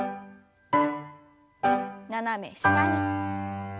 斜め下に。